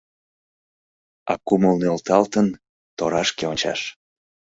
А кумыл нӧлталтын, торашке ончаш.